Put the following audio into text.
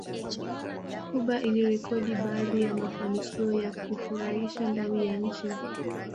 Cuba ilirekodi baadhi ya mafanikio ya kufurahisha ndani ya nchi